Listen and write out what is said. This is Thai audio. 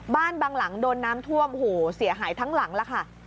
บ้านบางหลังโดนน้ำท่วมเสียหายทั้งหลังแล้วค่ะ